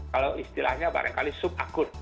kalau istilahnya barangkali sub akut